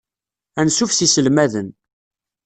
Ansuf s yiselmaden.